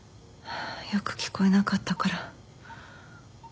よく聞こえなかったから。